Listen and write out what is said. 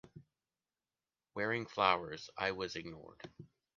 wearing flowers, I was ignored!